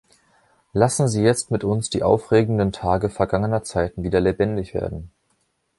Lassen Sie jetzt mit uns die aufregenden Tage vergangener Zeiten wieder lebendig werden!